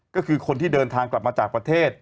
ก็คือคนที่เดินทางกลับมาจากประเทศ